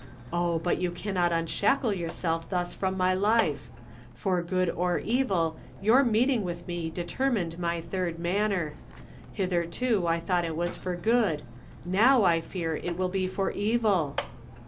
Oh, but you cannot unshackle yourself thus from my life for good or evil your meeting with me determined my third manner. Hitherto I thought it was for good; now I fear it will be for evil."